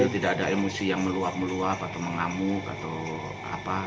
tidak ada emosi yang meluap meluap atau mengamuk atau apa